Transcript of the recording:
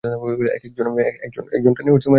একজন ডানে ও একজন বামে।